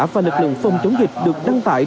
và lực lượng phòng chống dịch được đăng tải